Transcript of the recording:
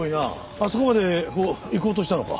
あそこまで行こうとしたのか？